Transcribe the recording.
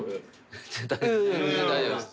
全然大丈夫です。